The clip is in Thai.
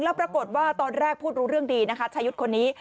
แล้วปรากฏว่าตอนแรกพูดรู้เรื่องดีนะคะชายุทธ์คนนี้